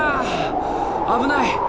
危ない！